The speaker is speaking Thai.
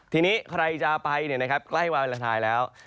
ทีนี้ใครจะไปใกล้วาเลนไทยแล้ว